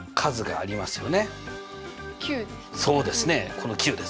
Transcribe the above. この９です。